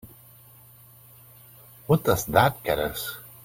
What does that get us?